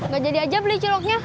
gak jadi aja beli ciloknya